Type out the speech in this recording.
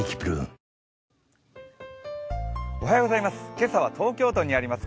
今朝は東京都にあります